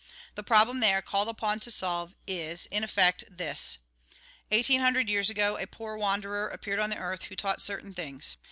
The problem they are called upon to solve is, in effect, this — Eighteen hundred years ago a poor wanderer appeared on earth who taught certain things.